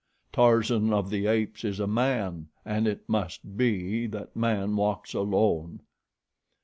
Tarzan of the Apes is a man, and it must be that man walks alone."